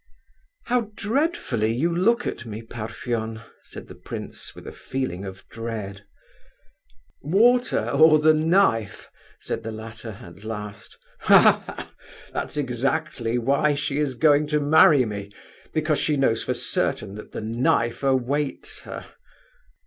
"How dreadfully you look at me, Parfen!" said the prince, with a feeling of dread. "Water or the knife?" said the latter, at last. "Ha, ha—that's exactly why she is going to marry me, because she knows for certain that the knife awaits her.